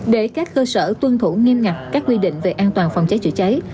để các cơ sở tuân thủ nghiêm ngặt các quy định về an toàn phòng cháy chữa cháy